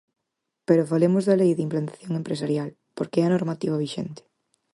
Pero falemos da Lei de implantación empresarial, porque é a normativa vixente.